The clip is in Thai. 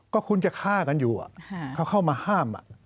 ก็คุณจะฆ่ากันอยู่เขาเข้ามาห้าม